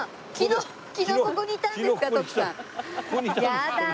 やだ！